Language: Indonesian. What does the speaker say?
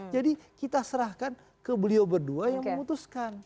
jadi kita serahkan ke beliau berdua yang memutuskan